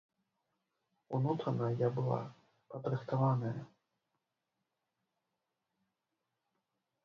Унутрана я была падрыхтаваная.